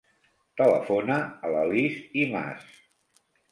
Telefona a la Lis Imaz.